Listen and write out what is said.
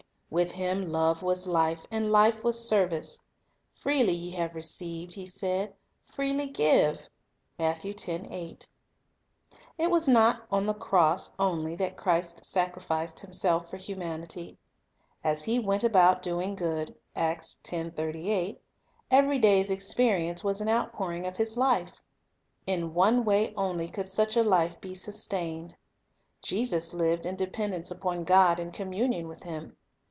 With Him love was life, and life was service. "Freely ye have received," He said, "freely give." 3 It was not on the cross only that Christ sacrificed Himself for humanity. As " He went about doing good," * every day's experience was an outpouring of His life. In one way only could such a life be sustained. [esus lived in dependence upon God and communion with Him.